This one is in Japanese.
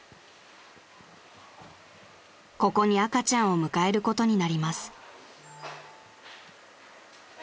［ここに赤ちゃんを迎えることになります］